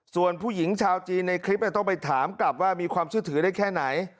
ส่วนผู้หญิงชาวจีนในคลิปต้องไปถามกลับว่ามีความเชื่อถือได้แค่ไหน